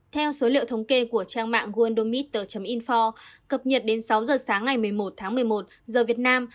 theo số liệu thống kê của trang mạng oldomiter info cập nhật đến sáu giờ sáng ngày một mươi một tháng một mươi một giờ việt nam